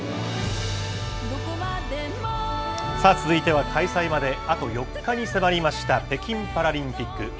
続いては、開催まであと４日に迫りました北京パラリンピック。